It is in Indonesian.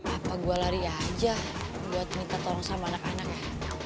apa gue lari aja buat minta tolong sama anak anak ya